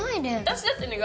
私だってね